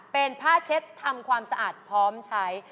เป็นผ้าเช็ดทำความสะอาดพร้อมใช้